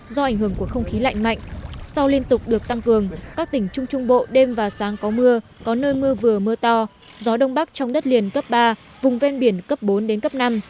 do ảnh hưởng của không khí lạnh mạnh sau liên tục được tăng cường các tỉnh trung trung bộ đêm và sáng có mưa có nơi mưa vừa mưa to gió đông bắc trong đất liền cấp ba vùng ven biển cấp bốn đến cấp năm